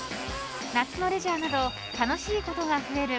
夏のレジャーなど楽しいことが増える